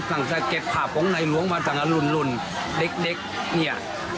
ของนายหลวงสังเกตภาพของนายหลวงมาจากอาหลุ่นเด็กเนี่ย